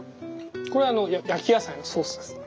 これ焼き野菜のソースですね。